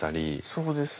そうです。